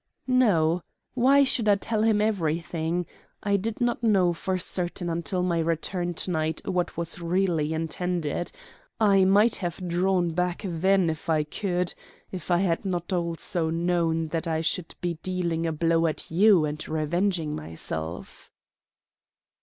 "No. Why should I tell him everything? I did not know for certain until my return to night what was really intended. I might have drawn back then if I could if I had not also known that I should be dealing a blow at you and revenging myself."